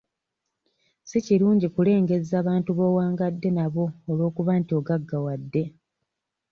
Si kirungi kulengezza bantu b'owangadde nabo olw'okuba nti ogaggawadde.